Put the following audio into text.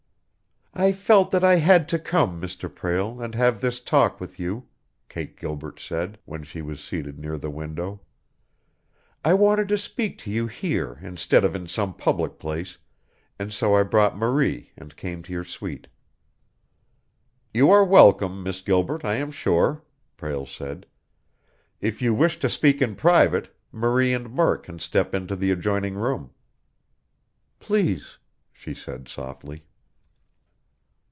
"I felt that I had to come, Mr. Prale, and have this talk with you," Kate Gilbert said, when she was seated near the window. "I wanted to speak to you here instead of in some public place, and so I brought Marie and came to your suite." "You are welcome, Miss Gilbert, I am sure," Prale said. "If you wish to speak in private, Marie and Murk can step into the adjoining room." "Please," she said softly.